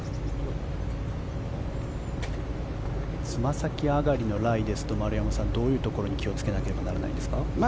つま先上がりのライですと丸山さん、どういうところに気をつけなければならないんですか。